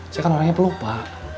saya kan orangnya pelupa